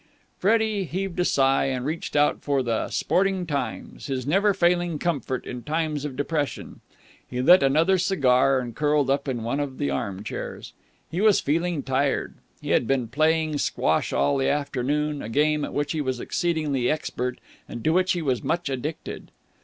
Freddie heaved a sigh, and reached out for the Sporting Times, his never failing comfort in times of depression. He lit another cigar and curled up in one of the arm chairs. He was feeling tired. He had been playing squash all the afternoon, a game at which he was exceedingly expert and to which he was much addicted.